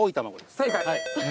正解。